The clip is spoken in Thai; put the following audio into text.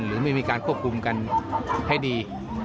หรือไม่มีการควบคุมกันให้ดี